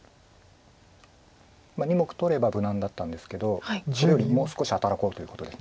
２目取れば無難だったんですけどそれよりもう少し働こうということです。